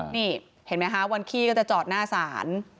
นี่เห็นไหมคะวันขี้ก็จะจอดหน้าศาล